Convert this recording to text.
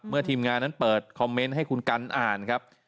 ทีมงานนั้นเปิดคอมเมนต์ให้คุณกันอ่านครับ